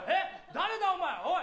誰だお前おい